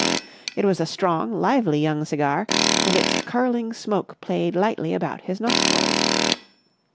It was a strong, lively young cigar, and its curling smoke played lightly about his nostrils.